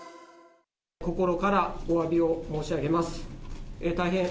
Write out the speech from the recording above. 心からおわびを申し上げます。